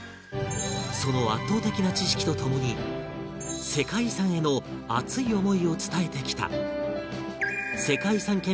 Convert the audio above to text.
その圧倒的な知識と共に世界遺産への熱い思いを伝えてきた